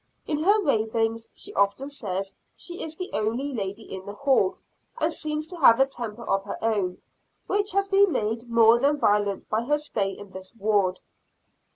In her ravings she often says she is the only lady in the hall, and seems to have a temper of her own, which has been made more than violent by her stay in this ward.